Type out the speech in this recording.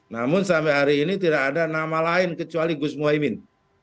namun sampai hari ini tidak ada nama lain kecuali gus muhaymin